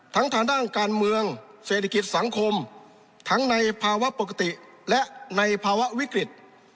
ทางด้านการเมืองเศรษฐกิจสังคมทั้งในภาวะปกติและในภาวะวิกฤต